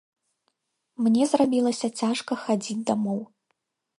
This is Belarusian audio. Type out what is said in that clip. Мне зрабілася цяжка хадзіць дамоў.